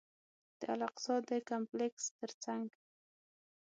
د الاقصی د کمپلکس تر څنګ.